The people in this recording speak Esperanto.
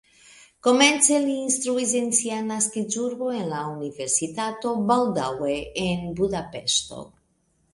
Komence li instruis en sia naskiĝurbo en la universitato, baldaŭe en Budapeŝto.